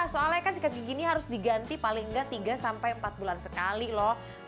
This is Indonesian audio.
soalnya kan sikat gigi ini harus diganti paling nggak tiga sampai empat bulan sekali loh